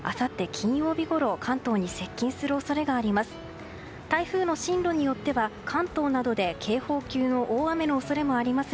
金曜日ごろ関東に接近する恐れがあります。